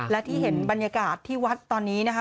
และที่เห็นบรรยากาศที่วัดตอนนี้นะคะ